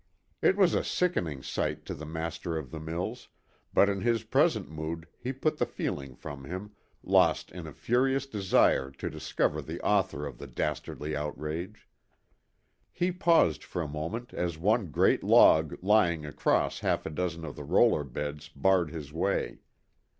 It was a sickening sight to the master of the mills, but in his present mood he put the feeling from him, lost in a furious desire to discover the author of the dastardly outrage. He paused for a moment as one great log lying across half a dozen of the roller beds barred his way.